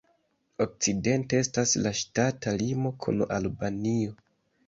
Okcidente estas la ŝtata limo kun Albanio.